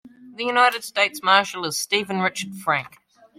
The United States Marshal is Steven Richard Frank.